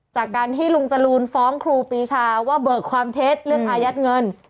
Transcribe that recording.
จากการที่ลุงจรูนฟ้องครูปีชาว่าเบิกความเท็จเรื่องอายัดเงิน